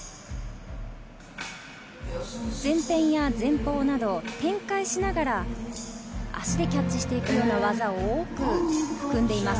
前転や前方など転回しながら、足でキャッチしていくような技を多く組んでいます。